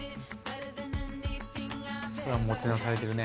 これはもてなされてるね